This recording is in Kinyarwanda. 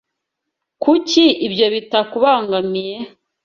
Kuki ibyo bitakubangamiye?